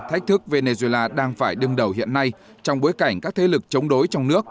thách thức venezuela đang phải đứng đầu hiện nay trong bối cảnh các thế lực chống đối trong nước